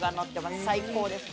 最高です。